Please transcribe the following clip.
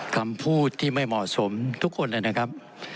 คำพูดที่ไม่เหมาะสมทุกคนเลยนะครับ